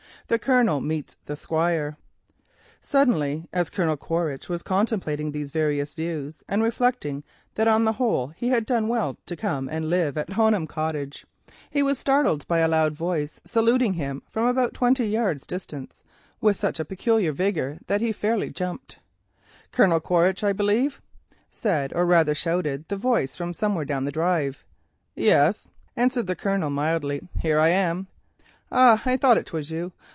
THE COLONEL MEETS THE SQUIRE As Colonel Quaritch was contemplating these various views and reflecting that on the whole he had done well to come and live at Honham Cottage, he was suddenly startled by a loud voice saluting him from about twenty yards distance with such peculiar vigour that he fairly jumped. "Colonel Quaritch, I believe," said, or rather shouted, the voice from somewhere down the drive. "Yes," answered the Colonel mildly, "here I am." "Ah, I thought it was you.